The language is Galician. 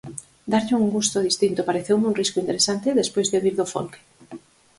Darlle un gusto distinto pareceume un risco interesante despois de vir do folque.